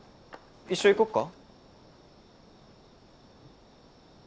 一緒行こっか？